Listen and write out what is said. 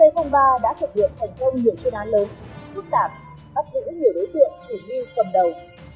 c ba đã thực hiện thành công nhiều chuyên án lớn phức tạp bắt giữ nhiều đối tượng chủ mưu cầm đầu